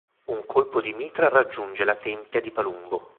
Un colpo di mitra raggiunge la tempia di Palumbo.